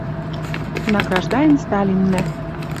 Награждаен Сталиннӓ...